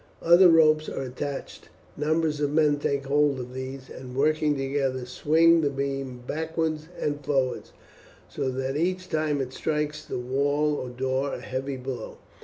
Other ropes are attached; numbers of men take hold of these, and working together swing the beam backwards and forwards, so that each time it strikes the wall or door a heavy blow.